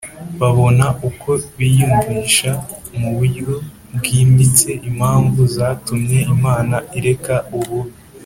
babona uko biyumvisha mu buryo bwimbitse impamvu zatumye Imana ireka ububi